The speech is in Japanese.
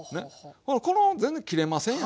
ほらこの全然切れませんやんか。